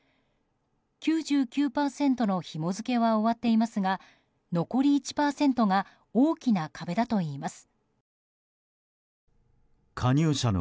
９９％のひも付けは終わっていますが残り１％が大きな壁だといいます。